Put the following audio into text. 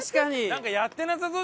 なんかやってなさそう。